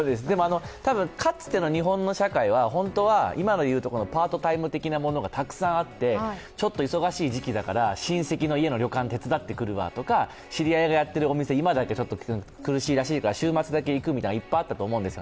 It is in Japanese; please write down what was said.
多分、かつての日本の社会は本当は今の言うところのパートタイム的なものがたくさんあって、忙しい時期だから親戚の旅館を手伝ってくるわとか知り合いがやってるお店、今だけちょっと、苦しいらしいから週末だけ行くみたいなのがいっぱいあったと思うんですよ。